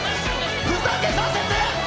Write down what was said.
ふざけさせて！